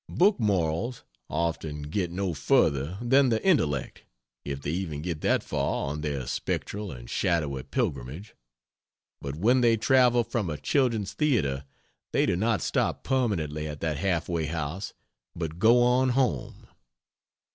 Book morals often get no further than the intellect, if they even get that far on their spectral and shadowy pilgrimage: but when they travel from a Children's Theatre they do not stop permanently at that halfway house, but go on home.